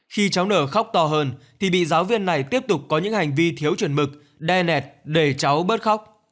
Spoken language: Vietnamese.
khi cháu nở khóc to hơn thì bị giáo viên này tiếp tục có những hành vi thiếu chuẩn mực đen nẹt để cháu bớt khóc